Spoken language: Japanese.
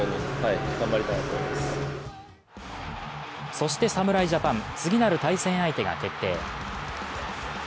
そして侍ジャパン、次なる対戦相手が決定。